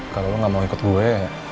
kalau lo gak mau ikut gue